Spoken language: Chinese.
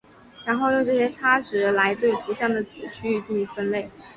然后用这些差值来对图像的子区域进行分类。